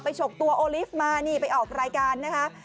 ฉกตัวโอลิฟต์มานี่ไปออกรายการนะคะ